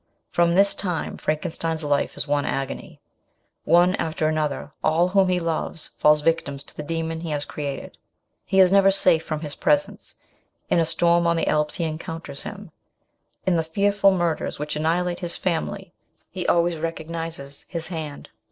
From this time Frankenstein's life is one asony. One after another all whom he loves fall victims to the demon he has created ; he is never safe from his presence; in a storm on the Alps he encounters him ; in the fearful murders which annihilate his family he always recognises his hand.